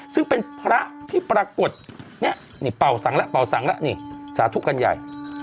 ซึ่งเป็นพระที่ปรากฏเนี่ยนี่เป่าสังแล้วเป่าสังแล้วนี่สาธุกันใหญ่